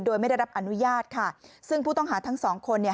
โดยไม่ได้รับอนุญาตค่ะซึ่งผู้ต้องหาทั้งสองคนเนี่ย